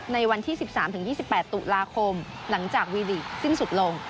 ในวันที่๑๓๒๘ตุลาคมหลังจากวีลีกสิ้นสุดลง